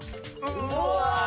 うわ！